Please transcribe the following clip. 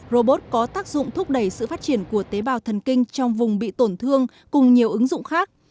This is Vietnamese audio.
robot có tác dụng thúc đẩy sự phát triển của tế bào thần kinh trong vùng bị tổn thương cùng nhiều ứng dụng khác